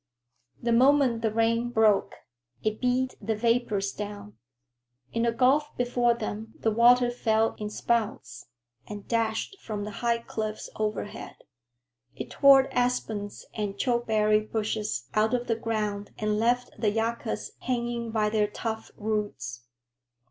The moment the rain broke, it beat the vapors down. In the gulf before them the water fell in spouts, and dashed from the high cliffs overhead. It tore aspens and chokecherry bushes out of the ground and left the yuccas hanging by their tough roots.